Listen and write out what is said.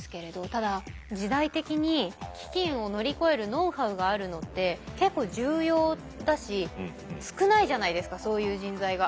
ただ時代的に飢きんを乗り越えるノウハウがあるのって結構重要だし少ないじゃないですかそういう人材が。